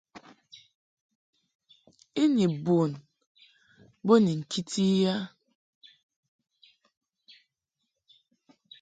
I ni bun bo ni ŋkiti i a.